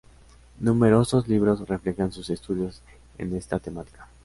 Numerosos libros reflejan sus estudios en esta temática.